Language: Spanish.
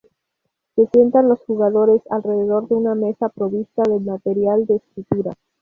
Se sientan los jugadores alrededor de una mesa provista de material de escritura.